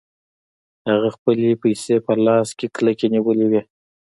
هغه خپلې پيسې په لاس کې کلکې نيولې وې.